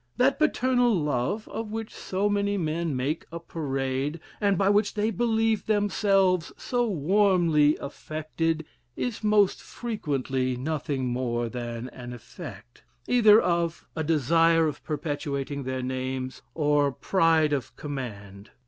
That paternal love of which so many men make a parade, and by which they believe themselves so warmly affected, is most frequently nothing more than an effect, either of a desire of perpetuating their names, or of pride of command......